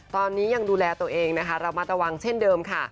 ตอนนี้ยังดูแลตัวเองนะคะระมัดระวังเช่นเดิมค่ะ